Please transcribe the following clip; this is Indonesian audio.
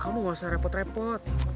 kamu gak usah repot repot